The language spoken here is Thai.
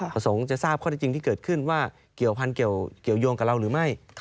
ประสงค์จะทราบข้อที่จริงที่เกิดขึ้นว่าเกี่ยวพันธ์เกี่ยวยงกับเราหรือไม่